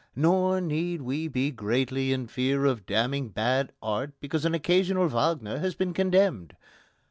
Nor need we be greatly in fear of damning bad art because an occasional Wagner has been condemned.